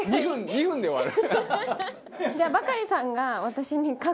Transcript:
２分で終わる。